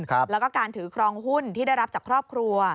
แล้วก็การถือครองหุ้นที่ได้รับจากครอบครัว